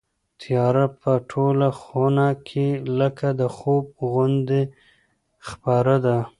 تیاره په ټوله خونه کې لکه د خوب غوندې خپره ده.